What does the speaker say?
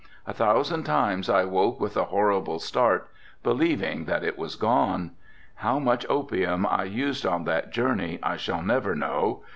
A thousand times I woke with a horrible start believing that it was gone. How much opium I used on that journey I shall never know.